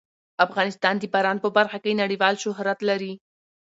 افغانستان د باران په برخه کې نړیوال شهرت لري.